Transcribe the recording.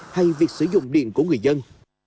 hay việc sử dụng điện của người dân